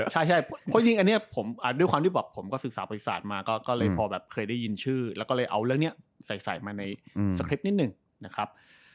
ใช่เพราะจริงอันนี้ผมด้วยความที่บอกผมก็ศึกษาบริษัทมาก็เลยพอแบบเคยได้ยินชื่อแล้วก็เลยเอาเรื่องนี้ใส่มาในสคริปต์นิดหนึ่งนะครับ